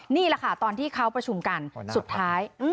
นี่แหละค่ะตอนที่เขาประชุมกันสุดท้าย